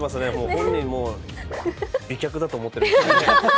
本人も美脚だと思っているんですね。